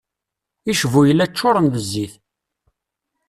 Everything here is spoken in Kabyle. Icbuyla ččuren d zzit.